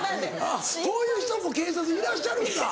あっこういう人も警察にいらっしゃるんだ。